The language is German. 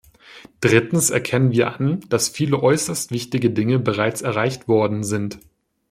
Drittens erkennen wir an, dass viele äußerst wichtige Dinge bereits erreicht worden sind.